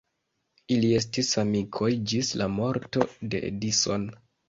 Ili estis amikoj ĝis la morto de Edison.